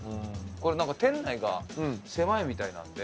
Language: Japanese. これなんか店内が狭いみたいなんで。